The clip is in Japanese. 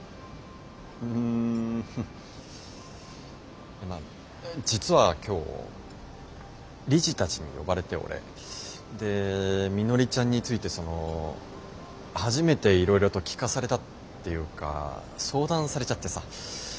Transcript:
んまあ実は今日理事たちに呼ばれて俺。でみのりちゃんについてその初めていろいろと聞かされたっていうか相談されちゃってさ。